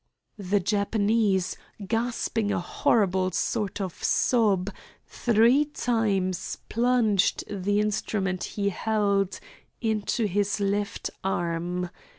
The Japanese, gasping a horrible sort of sob, three times plunged the instrument he held into his left arm.